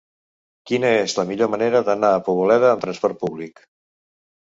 Quina és la millor manera d'anar a Poboleda amb trasport públic?